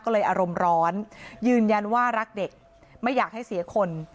ก็เลยอารมณ์ร้อนยืนยันว่ารักเด็กไม่อยากให้เสียคน